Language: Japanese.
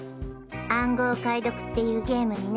暗号解読っていうゲームにね。